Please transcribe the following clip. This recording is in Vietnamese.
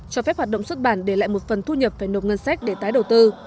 cho phép hoạt động xuất bản để lại một phần thu nhập phải nộp ngân sách để tái đầu tư